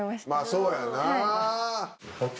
そうやな。